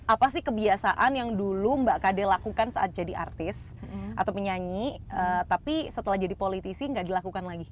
apa sih kebiasaan yang dulu mbak kade lakukan saat jadi artis atau menyanyi tapi setelah jadi politisi nggak dilakukan lagi